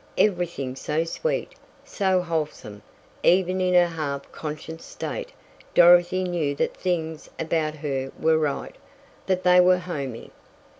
Everything so sweet, so wholesome, even in her half conscious state Dorothy knew that things about her were right that they were "homey."